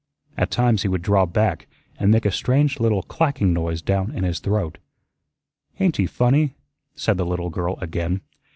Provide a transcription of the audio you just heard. At times he would draw back and make a strange little clacking noise down in his throat. "Ain't he funnee?" said the little girl again.